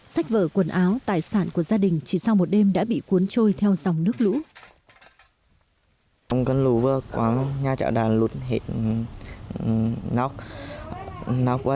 sách vở quần áo tài sản của gia đình chỉ sau một đêm đã bị cuốn trôi theo dòng nước lũ